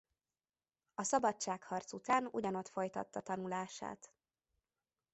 A szabadságharc után ugyanott folytatta tanulását.